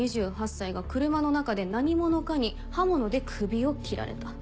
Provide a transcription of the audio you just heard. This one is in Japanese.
２８歳が車の中で何者かに刃物で首を切られた。